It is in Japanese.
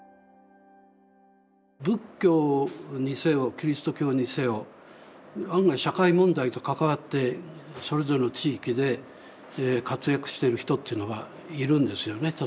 仏教にせよキリスト教にせよ案外社会問題と関わってそれぞれの地域で活躍してる人っていうのがいるんですよね